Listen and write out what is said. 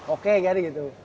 oke kayak gitu